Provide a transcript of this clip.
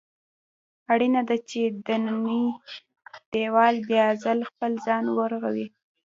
اړینه ده چې دننی دېوال بیا ځل خپل ځان ورغوي.